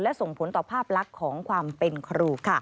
และส่งผลต่อภาพลักษณ์ของความเป็นครู